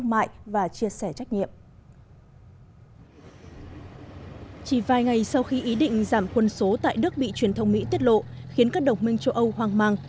sau khi ý định giảm quân số tại đức bị truyền thông mỹ tiết lộ khiến các đồng minh châu âu hoang mang